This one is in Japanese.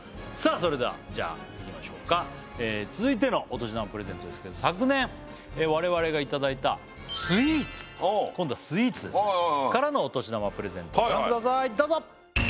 それではじゃあいきましょうか続いてのお年玉プレゼントですけど昨年我々がいただいたスイーツ今度はスイーツですねからのお年玉プレゼントご覧くださいどうぞ！